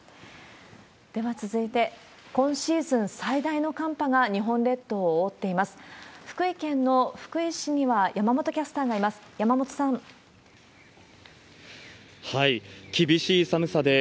では続いて、今シーズン最大の寒波が日本列島を覆っています。